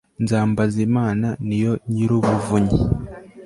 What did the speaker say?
nzambaza imana, ni yo nyir'ubuvunyi